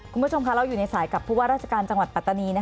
คุณผู้ชมค่ะเราอยู่ในสายกับผู้ว่าราชการจังหวัดปัตตานี